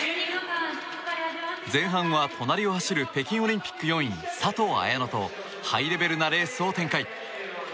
前半は、隣を走る北京オリンピック４位佐藤綾乃とハイレベルなレースを展開。